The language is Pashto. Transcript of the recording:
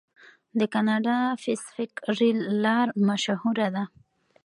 د کاناډا پیسفیک ریل لار مشهوره ده.